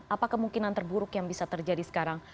apa kemungkinan terburuk yang bisa terjadi sekarang